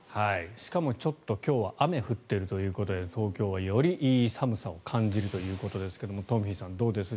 しかも今日はちょっと雨が降っているということで東京は、より寒さを感じるということですがトンフィさんどうです。